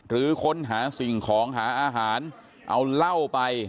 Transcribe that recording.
หรือค้นหาสิ่งของหาอาหารเอาเหล้าไป